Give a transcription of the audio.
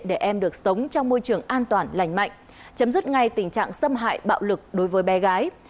để em được sống trong môi trường an toàn lành mạnh chấm dứt ngay tình trạng xâm hại bạo lực đối với bé gái